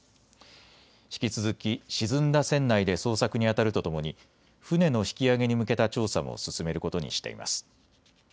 引き続き沈んだ船内で捜索にあたるとともに船の引き揚げに向けた調査も進めることにしています。